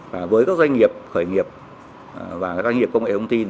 và với các doanh nghiệp khởi nghiệp và các doanh nghiệp công nghệ thông tin